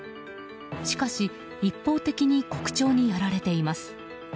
しかし、一方的にコクチョウにやられています。